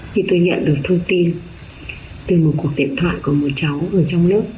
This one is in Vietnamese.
khi tôi nhận được thông tin từ một cuộc điện thoại của một cháu ở trong lớp